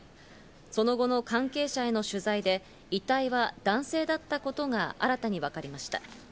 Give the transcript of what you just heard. その後の関係者への取材で遺体は男性だったことが新たに分かりました。